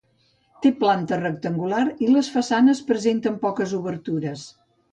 Té planta rectangular i les façanes presenten poques obertures.